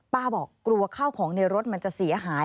บอกกลัวข้าวของในรถมันจะเสียหาย